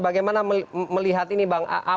bagaimana melihat ini bang